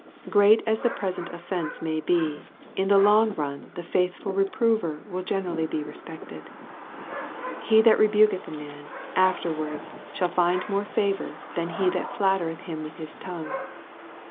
Great as the present offence may be, in the long run the faithful reprover will generally be respected. * He that rebuketh a man, afterwards shall find more 120 EXPOSITOKY THOUGHTS. favor than he that flattereth him with his tongue."